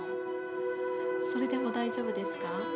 それでも大丈夫ですか？